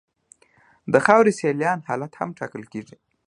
د خاورې سیلان حالت هم ټاکل کیږي